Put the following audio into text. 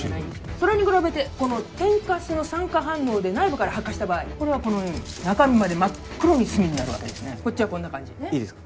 それに比べて天かすの酸化反応で内部から発火した場合これはこのように中身まで真っ黒に炭になるわけですねいいですか？